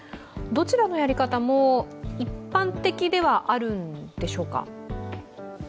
どちらのやり方も一般的ではあるんでしょうか？